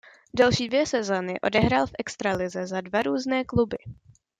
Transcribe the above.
Další dvě sezóny odehrál v extralize za dva různé kluby.